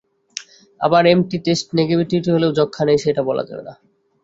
আবার M T test negative হলেও যক্ষ্মা নেই, সেটাও বলা যাবে না।